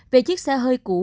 về chiếc xe hơi cũ